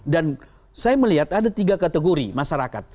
dan saya melihat ada tiga kategori masyarakat